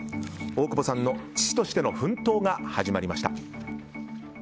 大久保さんの父としての奮闘が始まりました。